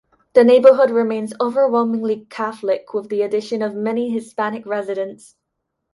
The neighborhood remains overwhelmingly Catholic with the addition of many Hispanic residents.